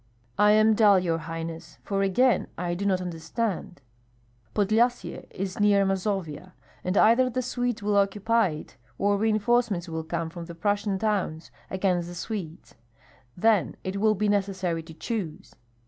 "I am dull, your highness, for again I do not understand." "Podlyasye is near Mazovia; and either the Swedes will occupy it or reinforcements will come from the Prussian towns against the Swedes. Then it will be necessary to choose."